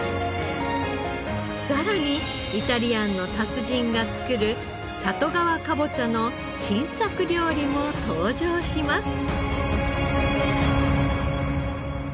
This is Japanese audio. さらにイタリアンの達人が作る里川かぼちゃの新作料理も登場します。